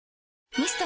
ミスト？